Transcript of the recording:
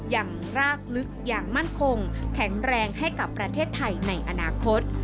อย่างรากลึกอย่างมั่นคงแข็งแรงให้กับประเทศไทยในอนาคต